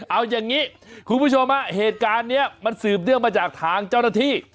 เอาอย่างนี้คุณผู้ชมฮะเหตุการณ์นี้มันสืบเนื่องมาจากทางเจ้าหน้าที่